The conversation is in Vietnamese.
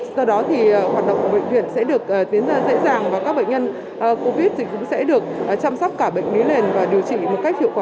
sau đó thì hoạt động của bệnh viện sẽ được tiến ra dễ dàng và các bệnh nhân covid một mươi chín cũng sẽ được chăm sóc cả bệnh lý lên và điều trị một cách hiệu quả